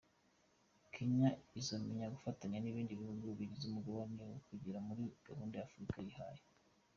Kenya izakomeza gufatanya n’ibindi bihugu bigize umugabane mu kugera kuri gahunda Afurika yihaye.